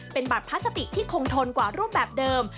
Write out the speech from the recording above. เป็นบัตรพลาสติกที่คงทนกว่ารูปแบบเดิม